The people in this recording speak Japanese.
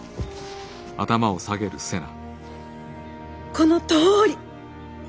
このとおり！